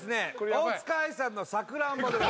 大塚愛さんの「さくらんぼ」です